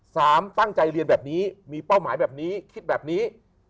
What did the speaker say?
ตั้งใจเรียนแบบนี้มีเป้าหมายแบบนี้คิดแบบนี้